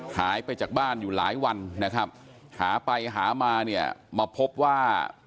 หายไปจากบ้านอยู่หลายวันนะครับหาไปหามาเนี่ยมาพบว่า